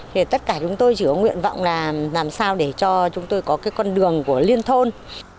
thì tất cả chúng tôi chỉ có nguyện vọng là làm sao để cho chúng tôi có cái con đường của liên thôn